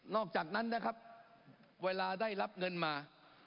อกจากนั้นนะครับเวลาได้รับเงินมา